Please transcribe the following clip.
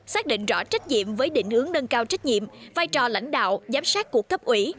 xác định rõ trách nhiệm với định hướng nâng cao trách nhiệm vai trò lãnh đạo giám sát của cấp ủy